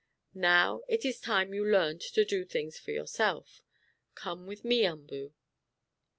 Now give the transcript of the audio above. Now it is time you learned to do things for yourself. Come with me, Umboo."